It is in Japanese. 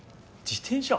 自転車？